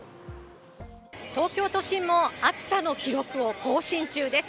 東京都心も暑さの記録を更新中です。